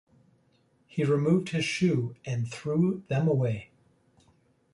He removed his shoe and threw them away.